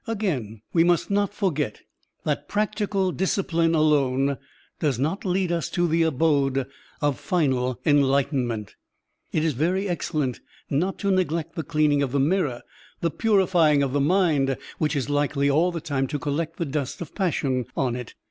Again, we must not forget that practical disci pline alone does not lead us to the abode of final enlightenment. It is very excellent not to Digitized by Google 94 SERMONS OF A BUDDHIST ABBOT neglect the cleaning of the mirror, the purifying of the mind, which is likely all the time to collect the dust of passion on it.